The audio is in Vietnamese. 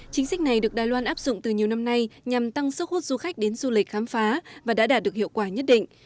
chính sách này được đài loan áp dụng từ nhiều năm nay nhằm tăng sức hút du khách đến du lịch khám phá và đã đạt được hiệu quả nhất định